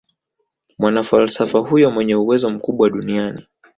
mwanafalsafa huyo mwenye uwezo mkubwa duniani